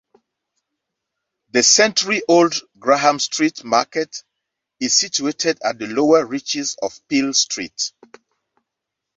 The century-old Graham Street market is situated at the lower reaches of Peel Street.